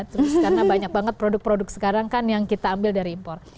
terus karena banyak banget produk produk sekarang kan yang kita ambil dari impor